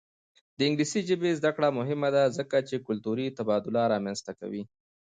د انګلیسي ژبې زده کړه مهمه ده ځکه چې کلتوري تبادله رامنځته کوي.